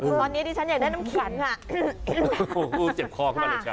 คือนี้ดิฉันอยากได้น้ำขิงค่ะ